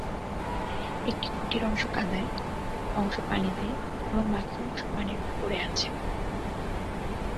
একটি খুঁটির অংশ কাদায়, অংশ পানিতে এবং বাকি অংশ পানির ওপরে আছে।